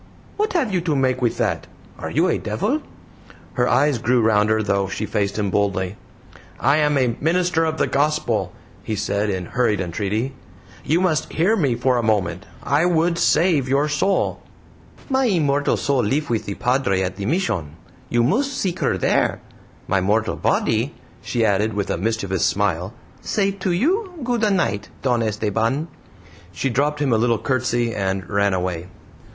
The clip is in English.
"What have you to make with that? Are you a devil?" Her eyes grew rounder, though she faced him boldly. "I am a Minister of the Gospel," he said, in hurried entreaty. "You must hear me for a moment. I would save your soul." "My immortal soul lif with the Padre at the Mission you moost seek her there! My mortal BODY," she added, with a mischievous smile, "say to you, 'good a' night, Don Esteban.'" She dropped him a little curtsy and ran away.